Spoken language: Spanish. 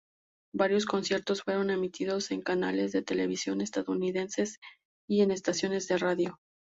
Varios conciertos fueron emitidos en canales de televisión estadounidenses y en estaciones de radio.